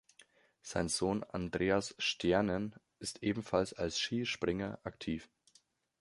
Sein Sohn Andreas Stjernen ist ebenfalls als Skispringer aktiv.